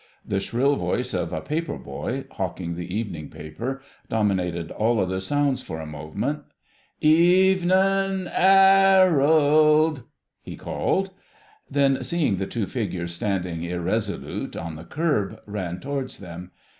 The shrill voice of a paper boy, hawking the evening paper, dominated all other sounds for a moment. "Eve ... nin' Er r rald!" he called. Then, seeing the two figures standing irresolute on the kerb, ran towards them.